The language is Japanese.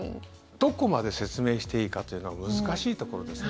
どこまで説明していいかというのは難しいところですね。